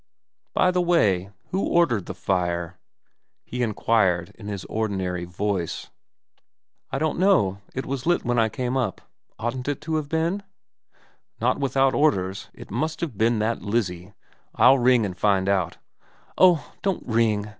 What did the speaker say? ' By the way, who ordered the fire ?' he inquired in his ordinary voice. ' I don't know. It was lit when I came up. Oughtn't it to have been ?'' Not without orders. It must have been that Lizzie. I'll ring and find out '' Oh, don't ring!